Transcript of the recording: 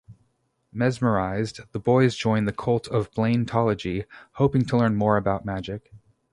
Mesmerized, the boys join the cult of "Blaintology," hoping to learn more about magic.